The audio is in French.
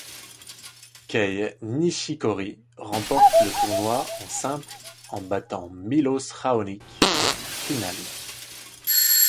Kei Nishikori remporte le tournoi en simple en battant Milos Raonic en finale.